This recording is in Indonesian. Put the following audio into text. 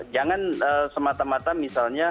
jangan semata mata misalnya